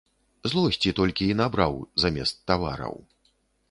Злосці толькі і набраў замест тавараў.